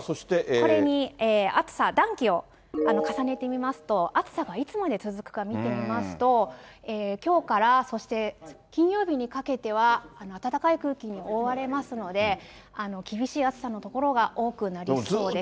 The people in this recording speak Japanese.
これに暑さ、暖気を重ねてみますと、暑さがいつまで続くか見てみますと、きょうから、そして金曜日にかけては、暖かい空気に覆われますので、厳しい暑さの所が多くなりそうです。